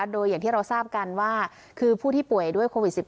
โดยอย่างที่เราทราบกันว่าคือผู้ที่ป่วยด้วยโควิด๑๙